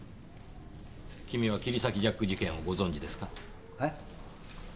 君は切り裂きジャック事件をご存じですか？は？